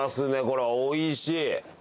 これおいしい！